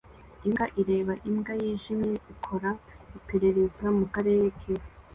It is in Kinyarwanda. Imbwa ireba imbwa yijimye ikora iperereza mukarere ke